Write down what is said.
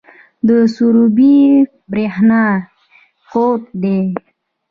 د سروبي بریښنا کوټ دی